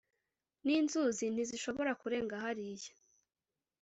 N’inzuzi ntizishobora kurenga hariya.